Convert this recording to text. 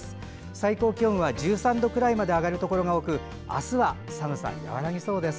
最高気温は１３度くらいまで上がるところが多くあすは寒さは和らぎそうです。